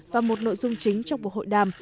và một nội dung chính trong cuộc hội đàm